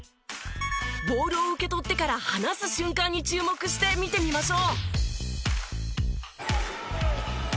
ボールを受け取ってから離す瞬間に注目して見てみましょう。